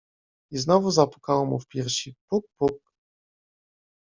I znowu zapukało mu w piersi: puk, puk!